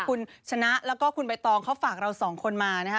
คุณชนะแล้วก็คุณใบตองเขาฝากเราสองคนมานะคะ